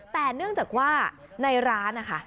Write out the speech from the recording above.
แต่เนื่องจากว่าในร้านนะคะ